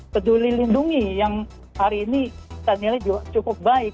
peduli lindungi yang hari ini kita nilai juga cukup baik